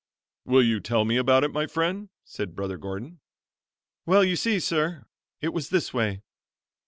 "Will you tell me about it, my friend?" said Brother Gordon. "Well, you see, sir, it was this way.